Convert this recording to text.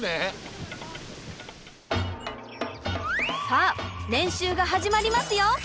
さあ練習が始まりますよ！